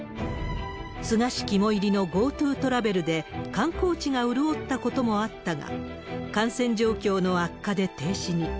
菅氏肝煎りのＧｏＴｏトラベルで観光地が潤ったこともあったが、感染状況の悪化で停止に。